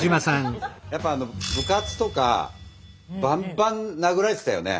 やっぱあの部活とかバンバン殴られてたよね。